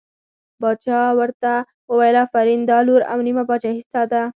باچا ورته وویل آفرین دا لور او نیمه پاچهي ستا ده.